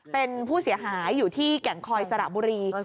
เป็นผู้เสียหายอยู่ที่แก่งคอยสระบุรี